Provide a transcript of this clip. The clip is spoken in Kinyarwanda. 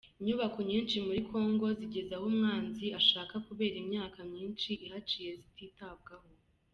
Inyubako nyinshi muri Kongo zigeze aho umwansi ashaka kubera imyaka myinshi ihaciye zititabwaho.